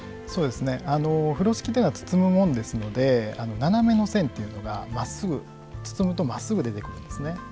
風呂敷では包むものですので斜めの線っていうのが包むとまっすぐ出てくるんですね。